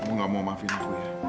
aku gak mau maafin aku ya